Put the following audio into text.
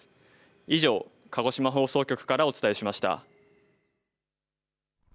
以上、鹿児島放送局からお伝えしました。